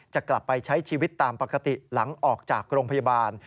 จะกลับไปใช้ชีวิตตามปกติหลังออกจากโรงพยาบาล